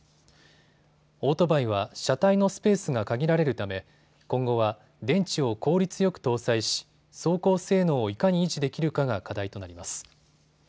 オートバイは車体のスペースが限られるため今後は電池を効率よく搭載し走行性能をいかに維持できるかが課題となります。